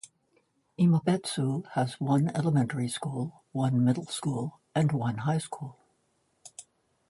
Imabetsu has one elementary school, one middle school and one high school.